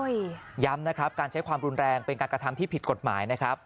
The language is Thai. ย้ำนะครับการใช้ความรุนแรงเป็นการกระทำที่ผิดกฎหมายนะครับ